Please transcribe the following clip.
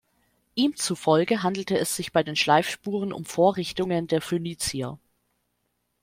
Ihm zufolge handelte es sich bei den Schleifspuren um Vorrichtungen der Phönizier.